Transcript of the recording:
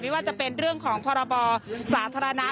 ว่าจะเป็นเรื่องของพรบสาธารณะ